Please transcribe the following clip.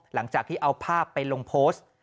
หลังจากที่เอาภาพไปลงโพสต์